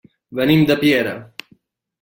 Venim de Piera.